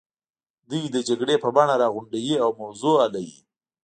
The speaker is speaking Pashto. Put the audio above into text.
دوی د جرګې په بڼه راغونډوي او موضوع حلوي.